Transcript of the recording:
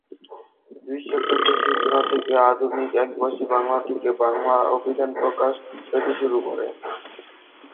বিশ শতকের সূচনা থেকে আধুনিক পদ্ধতির একভাষিক বাংলা-বাংলা অভিধান প্রকাশ পেতে শুরু করে।